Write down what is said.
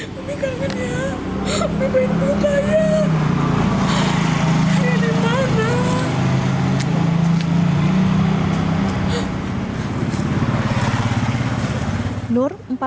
tapi kangen ya tapi benar benar banyak